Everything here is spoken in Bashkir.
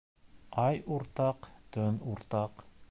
Ай уртаҡ, төн уртаҡ.